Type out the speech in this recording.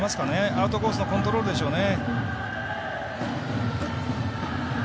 アウトコースのコントロールでしょうね。